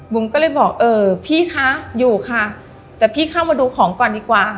ก็เลยบอกเออพี่คะอยู่ค่ะแต่พี่เข้ามาดูของก่อนดีกว่า